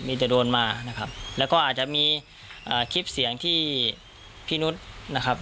มีแต่โดนมานะครับแล้วก็อาจจะมีอ่าคลิปเสียงที่พี่นุษย์นะครับ